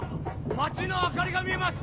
町の明かりが見えます！